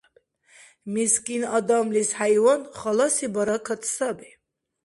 Мискин адамлис хӀяйван халаси баракат саби.